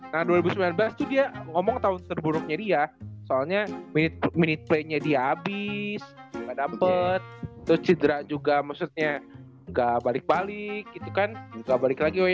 nah dua ribu sembilan belas tuh dia ngomong tahun terburuknya dia soalnya minute play nya dia habis gak dapet terus cedera juga maksudnya gak balik balik gitu kan nggak balik lagi